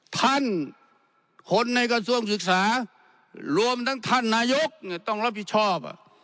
ท่านคนในกระทรวงศึกษารวมทั้งท่านนายกต้องรับผิดชอบ